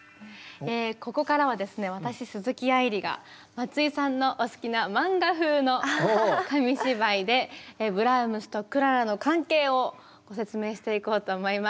ここからはですね私鈴木愛理が松井さんのお好きな漫画風の紙芝居でブラームスとクララの関係をご説明していこうと思います。